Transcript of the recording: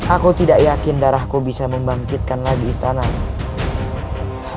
aku tidak yakin darahku bisa membangkitkan lagi istanamu